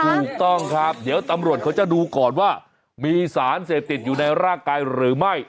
ถูกต้องครับเดี๋ยวตำรวจเขาจะดูก่อนว่ามีสารเสพติดอยู่ในร่างกายหรือไม่